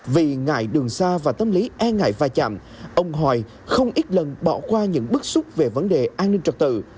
vì ngại đường xa và tâm lý e ngại va chạm ông hoài không ít lần bỏ qua những bức xúc về vấn đề an ninh trật tự